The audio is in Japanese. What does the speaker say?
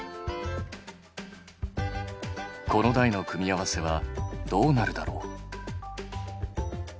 子の代の組み合わせはどうなるだろう？